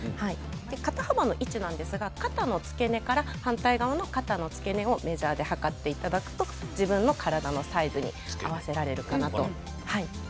肩幅の位置なんですが肩の付け根から反対側の肩の付け根をメジャーで測っていただくと自分の体のサイズとなります。